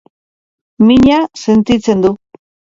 Mina sentitzen du.